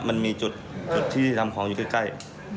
มันมีจุดที่ทำของอยู่ใกล้